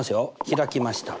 開きました。